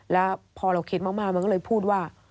แล้วพอเราคิดมากมันก็เลยพูดว่า